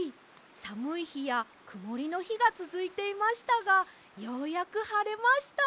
さむいひやくもりのひがつづいていましたがようやくはれました！